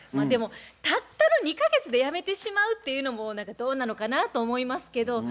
でもたったの２か月でやめてしまうっていうのもどうなのかなと思いますけど。